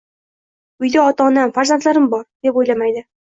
“Uyda ota-onam, farzandlarim bor”, deb o‘ylamaydi.